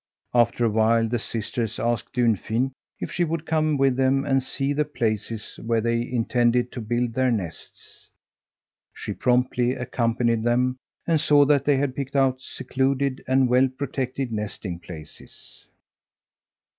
After a while the sisters asked Dunfin if she would come with them and see the places where they intended to build their nests. She promptly accompanied them, and saw that they had picked out secluded and well protected nesting places.